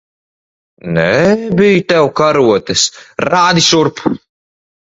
Nebij tev karotes. Rādi šurp!